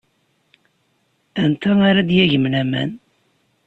Anta ara d-yagmen aman?